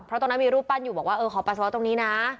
เพราะตรงนั้นมีรูปปั้นอยู่บอกว่าเออขอปัสสาวะตรงนี้นะ